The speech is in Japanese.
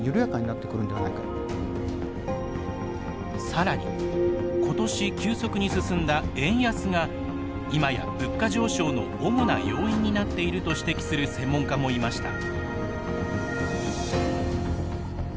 更に今年急速に進んだ円安が今や物価上昇の主な要因になっていると指摘する専門家もいました。